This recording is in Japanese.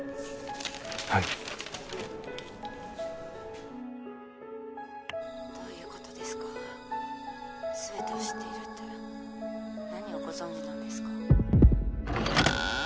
はいどういうことですか全てを知っているって何をご存じなんですか？